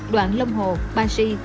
đoạn long hồ ba si